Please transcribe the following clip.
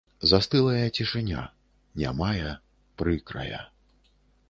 Застылая цішыня, нямая, прыкрая.